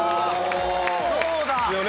そうだ。